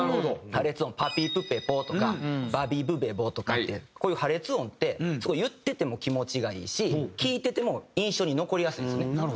破裂音「ぱぴぷぺぽ」とか「ばびぶべぼ」とかっていうこういう破裂音ってすごい言ってても気持ちがいいし聴いてても印象に残りやすいですよね。